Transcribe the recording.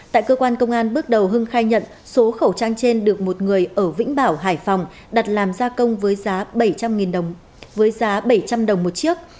tại cơ quan công an bước đầu hưng khai nhận số khẩu trang trên được một người ở vĩnh bảo hải phòng đặt làm gia công với giá bảy trăm linh đồng một chiếc